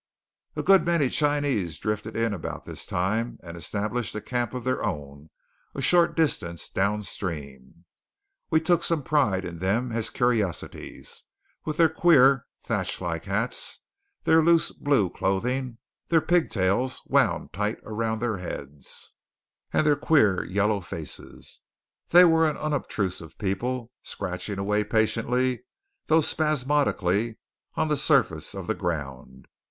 A good many Chinese drifted in about this time, and established a camp of their own a short distance downstream. We took some pride in them as curiosities, with their queer, thatchlike hats, their loose blue clothing, their pigtails wound tight around their heads, and their queer yellow faces. They were an unobtrusive people, scratching away patiently, though spasmodically, on the surface of the ground.